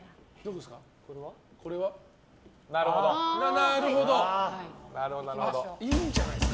なるほど。